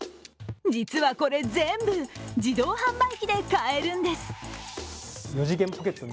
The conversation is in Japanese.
実はこれ全部自動販売機で買えるんです。